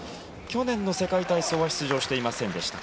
去年の世界体操は出場していませんでした。